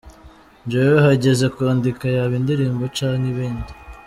Jewe hageze kwandika yaba indirimbo canke ibindi.